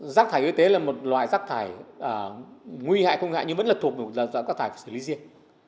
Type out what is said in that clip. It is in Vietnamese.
rác thải y tế là một loại rác thải nguy hại không hại nhưng vẫn là thuộc về một loại rác thải phải xử lý riêng